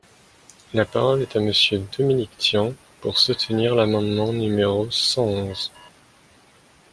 La parole est à Monsieur Dominique Tian, pour soutenir l’amendement numéro cent onze.